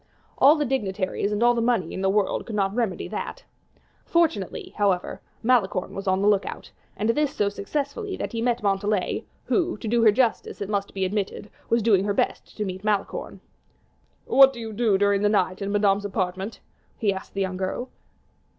All the dignities and all the money in the world could not remedy that. Fortunately, however, Malicorne was on the lookout, and this so successfully that he met Montalais, who, to do her justice, it must be admitted, was doing her best to meet Malicorne. "What do you do during the night in Madame's apartment?" he asked the young girl.